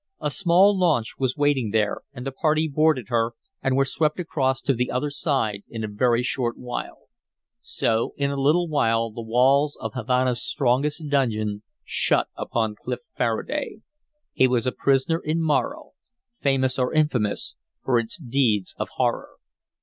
A small launch was waiting there, and the party boarded her and were swept across to the other side in a very short while. So in a short while the walls of Havana's strongest dungeon shut upon Clif Faraday. He was a prisoner in Morro, famous or infamous, for its deeds of horror.